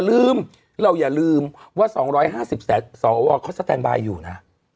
ลืมเราอย่าลืมว่า๒๕๐สวเขาสแตนบายอยู่นะ